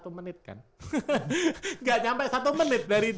gak nyampe satu menit dari dua jam satu menit kan